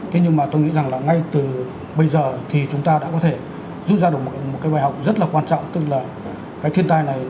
thế nhưng mà tôi nghĩ rằng là ngay từ bây giờ thì chúng ta đã có thể rút ra được một cái bài học rất là quan trọng tức là cái thiên tai này